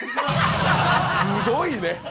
すごいね。